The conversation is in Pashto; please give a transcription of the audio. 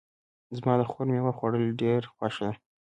زما د خور میوه خوړل ډېر خوښ ده